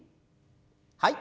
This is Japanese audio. はい。